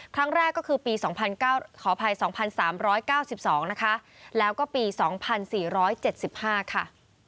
ครั้งแรกก็คือปี๒ขออภัย๒๓๙๒นะคะแล้วก็ปี๒๔๗๕ค่ะ